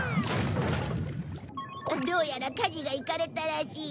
どうやら舵がいかれたらしい。